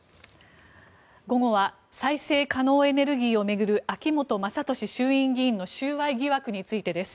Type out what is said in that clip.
午後は再生可能エネルギーを巡る秋本真利衆院議員の収賄疑惑についてです。